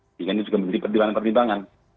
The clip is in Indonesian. sehingga ini juga menjadi pertimbangan pertimbangan